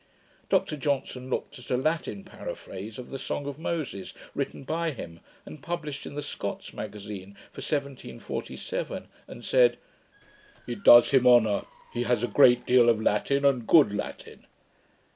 Dr Johnson looked at a Latin paraphrase of the song of Moses, written by him, and published in the Scots Magazine for 1747, and said, 'It does him honour; he has a great deal of Latin, and good Latin.'